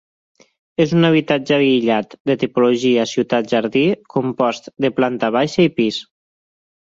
És un habitatge aïllat de tipologia ciutat-jardí compost de planta baixa i pis.